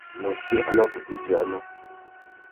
Nôchï a mà kutu djï anô.